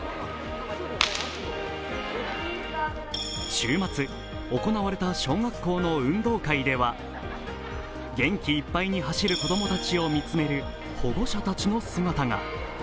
週末、行われた小学校の運動会では元気いっぱいに走る子供たちを見つめる保護者たちの姿が。